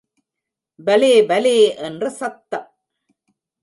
பலே பலே என்ற சத்தம்!!!